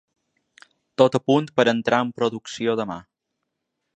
Tot a punt per entrar en producció demà.